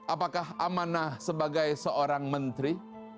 apakah amanah sebagai seorang menteri